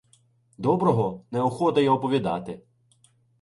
— Доброго? Неохота й оповідати.